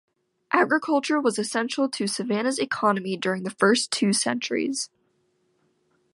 Agriculture was essential to Savannah's economy during its first two centuries.